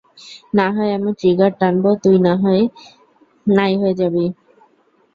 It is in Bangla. নাহয় আমি ট্রিগার টানবো তুই নাই হয়ে যাবি।